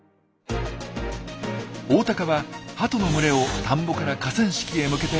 オオタカはハトの群れを田んぼから河川敷へ向けて追いかけます。